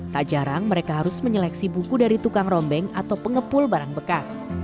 tak jarang mereka harus menyeleksi buku dari tukang rombeng atau pengepul barang bekas